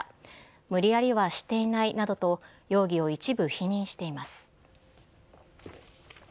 無理やりはしていないなどと容疑を一部否認しています。